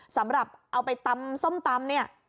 สำหรับเอาไปตำส้มตำเนี่ย